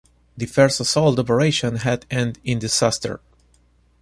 The first assault operation had ended in disaster.